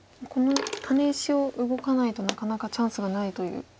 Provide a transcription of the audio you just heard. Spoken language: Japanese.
このタネ石を動かないとなかなかチャンスがないという。